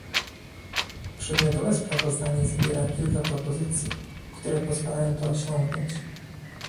Przedmiotowe sprawozdanie zawiera kilka propozycji, które pozwalają to osiągnąć